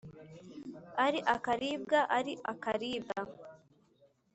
ari akaribwa ari akaribwa